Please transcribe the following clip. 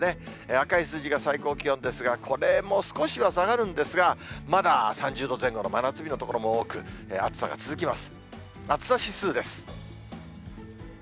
赤い数字が最高気温ですが、これも少しは下がるんですが、まだ３０度前後の真夏日の所も多く、暑さが続きます。